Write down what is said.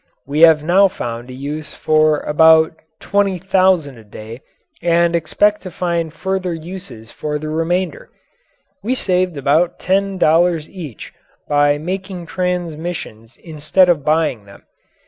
We have now found a use for about 20,000 a day and expect to find further uses for the remainder. We saved about ten dollars each by making transmissions instead of buying them.